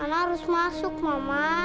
ana harus masuk mama